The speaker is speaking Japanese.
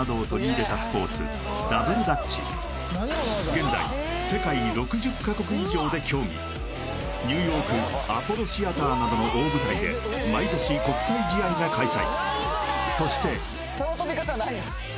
現在世界ニューヨークアポロシアターなどの大舞台で毎年国際試合が開催